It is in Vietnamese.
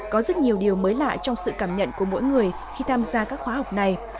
có rất nhiều điều mới lạ trong sự cảm nhận của mỗi người khi tham gia các khóa học này